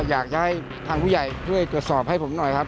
อยากจะให้ทางผู้ใหญ่ช่วยตรวจสอบให้ผมหน่อยครับ